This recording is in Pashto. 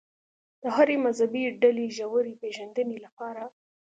د هرې مذهبي ډلې ژورې پېژندنې لپاره.